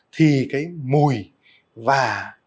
thì cái mùi wel